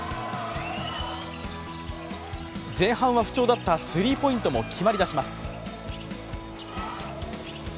前半は不調だったスリーポイントも決まり出します。